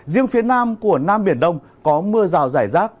riêng phía nam của nam biển đông có mưa rào rải rác